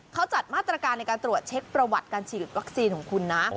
เขาจัดมาตรการในการตรวจเช็คประวัติการฉีดวัคซีนของคุณนะ